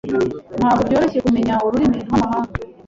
Ntabwo byoroshye kumenya ururimi rwamahanga.